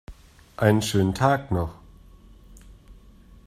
Einen schönen Tag noch!